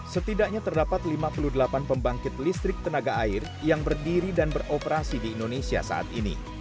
setidaknya terdapat lima puluh delapan pembangkit listrik tenaga air yang berdiri dan beroperasi di indonesia saat ini